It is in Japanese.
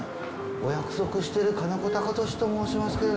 お約束してる金子貴俊と申しますけれども。